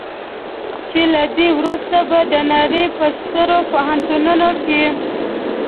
چې له دې وروسته به د نړۍ په سترو پوهنتونونو کې.